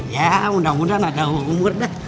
ya mudah mudahan ada umur deh